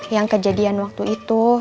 yang kejadian waktu itu